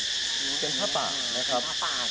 กันผ้าปากใช่ที่เมื่อนั้นทางรายการของไทยรัฐ